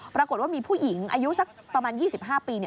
ปรากฏว่ามีผู้หญิงอายุสักประมาณ๒๕ปี